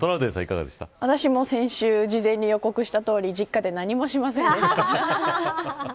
私も、先週事前に予告したとおり実家で何もしませんでした。